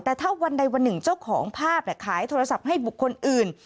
แต่ถ้าวันใดวันหนึ่งเจ้าของภาพขายโทรศัพท์ให้บุคคลอื่น